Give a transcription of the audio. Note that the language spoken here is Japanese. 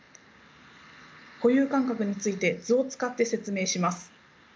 固有感覚について図を使って説明します。